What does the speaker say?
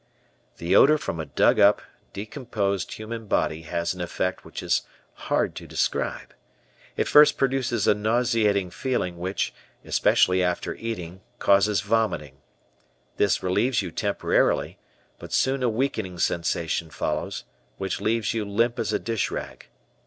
The odor from a dug up, decomposed human body has an effect which is hard to describe. It first produces a nauseating feeling, which, especially after eating, causes vomiting. This relieves you temporarily, but soon a weakening sensation follows, which leaves you limp as a dish rag.